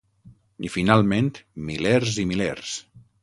I, finalment, milers i milers.